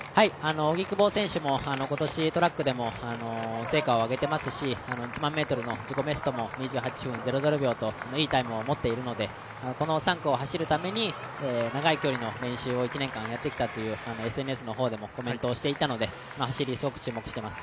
荻久保選手も今年、トラックでも成果を上げていますし１００００ｍの自己ベストも２８分００秒といいタイムを持っているので、この３区を走るために長い距離の練習を１年間やってきたとＳＮＳでもコメントをしていたので、すごくいい走りをしています。